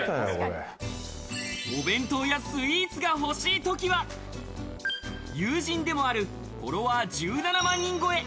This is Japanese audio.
お弁当やスイーツが欲しいときは、友人でもあるフォロワー１７万人超え。